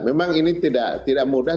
memang ini tidak mudah